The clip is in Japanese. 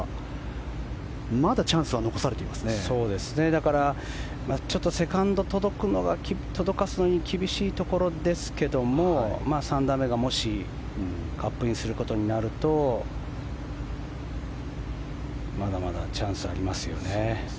だから、セカンド届かせるのが厳しいところですけども３打目がもしカップインすることになるとまだまだチャンスはありますよね。